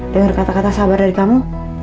dengar kata kata sabar dari kamu